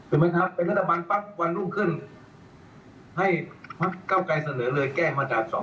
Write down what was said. ไหมครับเป็นรัฐบาลปั๊บวันรุ่งขึ้นให้พักเก้าไกรเสนอเลยแก้มาตรา๒๗